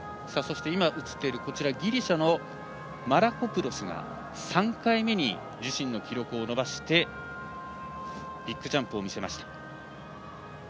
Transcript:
ギリシャのマラコプロスが３回目に自身の記録を伸ばしてビッグジャンプを見せました。